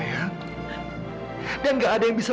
tapi ini udah malam mila